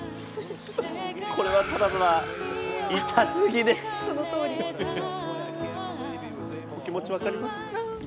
これはただただイタすぎです、気持ち分かります。